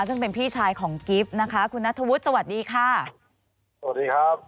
ซึ่งเป็นพี่ชายของกิฟต์นะคะคุณนัทธวุฒิสวัสดีค่ะสวัสดีครับ